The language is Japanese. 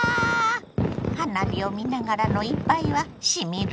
花火を見ながらの一杯はしみるわね！